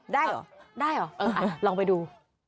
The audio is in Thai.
ได้หรอได้หรอเออเอาล่ะลองไปดู